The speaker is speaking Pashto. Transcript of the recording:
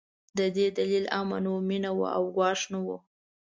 د دې دلیل امن و، مينه وه او ګواښ نه و.